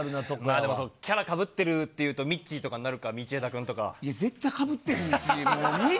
でもキャラかぶってるってなると、みっちーとかになるか、絶対かぶってへんし。